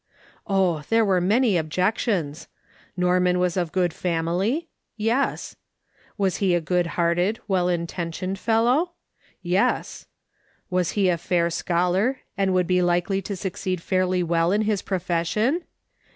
Oh, there were many objections ! Norman was of good family ? Yes. He was a good hearted, well inten tioned fellow ? Yes. He was a fair scholar, and would be likely to succeed fairly well in his profes sion